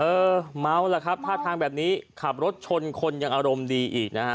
เออเมาล่ะครับท่าทางแบบนี้ขับรถชนคนยังอารมณ์ดีอีกนะฮะ